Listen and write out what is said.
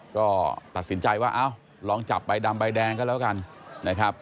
ก็ตัดสินใจว่าเอ้าลองจับใบดำใบแดงก็แล้วกันนะครับ